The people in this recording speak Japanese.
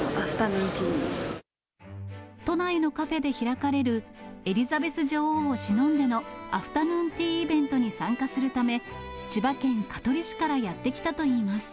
都内のカフェで開かれる、エリザベス女王をしのんでのアフタヌーンティーイベントに参加するため、千葉県香取市からやって来たといいます。